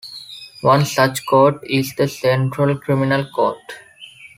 One such court is the Central Criminal Court.